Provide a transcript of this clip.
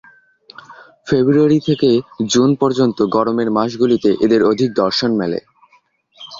ফেব্রুয়ারি থেকে জুন পর্যন্ত গরমের মাসগুলিতে এদের অধিক দর্শন মেলে।